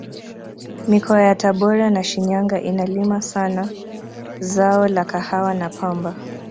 mikoa ya tabora na shinyanga inalima sana zao la kahawa na pamba